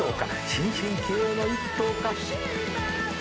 新進気鋭の１頭か。